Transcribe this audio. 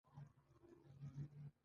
دوستي په تګ او راتګ پالل کیږي.